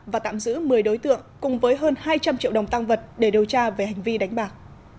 và tạm giữ một mươi đối tượng cùng với hơn hai trăm linh triệu đồng tăng vật để điều tra về hành vi đánh bạc